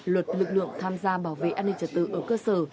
luật lực lượng tham gia bảo vệ an ninh trật tự ở cơ sở